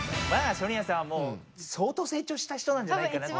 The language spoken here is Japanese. ソニアさんはもうそうとうせい長した人なんじゃないかなって。